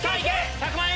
１００万円！